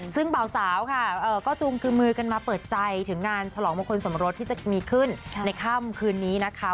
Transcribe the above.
ซึ่งเบาสาวค่ะก็จูงคือมือกันมาเปิดใจถึงงานฉลองมงคลสมรสที่จะมีขึ้นในค่ำคืนนี้นะคะ